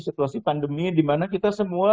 situasi pandemi di mana kita semua